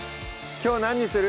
きょう何にする？